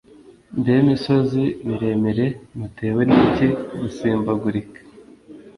Mbe misozi miremire mutewe n’iki gusimbagurika